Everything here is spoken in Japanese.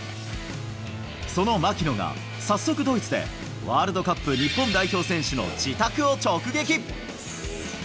その槙野が、早速ドイツで、ワールドカップ日本代表選手の自宅を直撃。